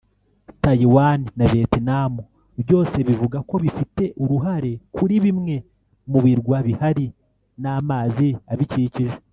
Taiwan na Vietnam byose bivuga ko bifite uruhare kuri bimwe mu birwa bihari n’amazi abikikije